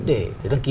để đăng ký